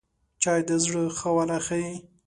چای د زړه خواله ښيي